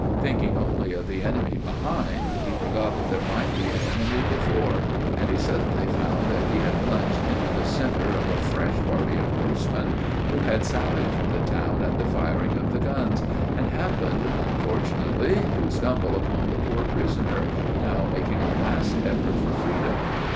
Thinking only of the enemy behind, he forgot that there might be an enemy before; and he suddenly found that he had plunged into the center of a fresh party of horsemen, who had sallied from the town at the firing of the guns, and happened, unfortunately, to stumble upon the poor prisoner, now making a last effort for freedom.